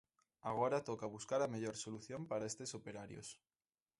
Agora toca buscar a mellor solución para estes operarios.